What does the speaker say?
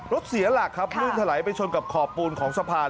เสียหลักครับลื่นถลายไปชนกับขอบปูนของสะพาน